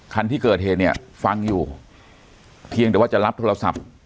คันที่เกิดเหตุเนี่ยฟังอยู่เพียงแต่ว่าจะรับโทรศัพท์